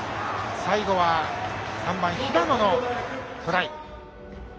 最後は３番の平野のトライ。